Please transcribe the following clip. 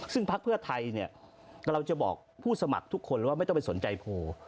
ซึ่งพักเพื่อไทยเนี่ยกำลังจะบอกผู้สมัครทุกคนว่าไม่ต้องไปสนใจโพล